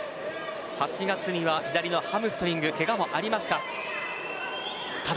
８月には左のハムストリングのけがもありました。